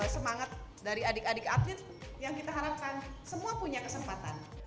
semangat dari adik adik atlet yang kita harapkan semua punya kesempatan